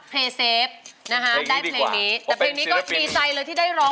เพลย์เซฟนะฮะได้เพลงนี้แต่เพลงนี้ก็มีไซน์เลยที่ได้ร้อง